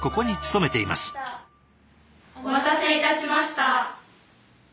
お待たせいたしました。